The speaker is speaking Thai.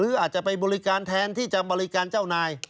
อาจจะไปบริการแทนที่จะบริการเจ้านาย